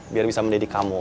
biar bisa mendidik kamu